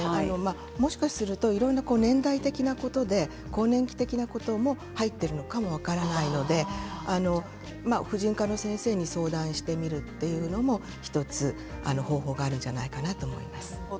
もしかすると、いろんな年代的なことで更年期的なことも入っているのかも分からないので婦人科の先生に相談してみるというのも１つ方法があるんじゃないかなと思います。